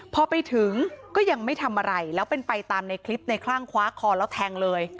พอไปถึงก็ยังไม่ทำอะไรแล้วเป็นไปตามในคลิปในคลั่งคว้าคอแล้วแทงเลย